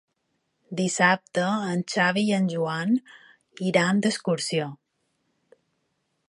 Dissabte en Xavi i en Joan iran d'excursió.